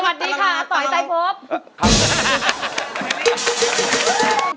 สวัสดีค่ะต๋อยไซด์พบ